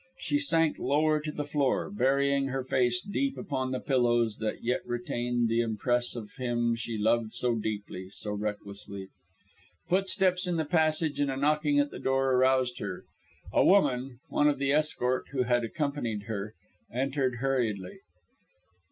She sank lower to the floor, burying her face deep upon the pillows that yet retained the impress of him she loved so deeply, so recklessly. Footsteps in the passage and a knocking at the door aroused her. A woman, one of the escort who had accompanied her, entered hurriedly.